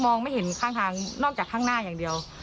ไม่เห็นข้างทางนอกจากข้างหน้าอย่างเดียว